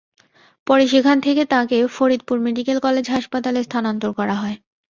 পরে সেখান থেকে তাঁকে ফরিদপুর মেডিকেল কলেজ হাসপাতালে স্থানান্তর করা হয়।